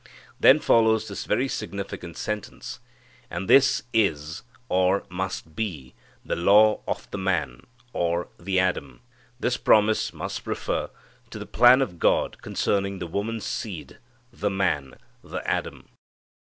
Then follows this very significant sentence: "And this is (or, must be) the law of the man (or, the Adam)." This promise must refer to the plan of God concerning the woman's seed, the man, _the Adam.